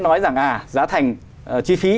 nói rằng giá thành chi phí